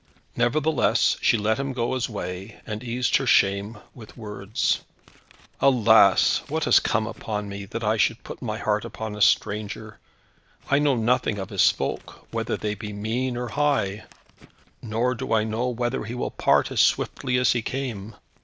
Nevertheless, she let him go his way, and eased her shame with words. "Alas, what has come upon me, that I should put my heart upon a stranger. I know nothing of his folk, whether they be mean or high; nor do I know whether he will part as swiftly as he came.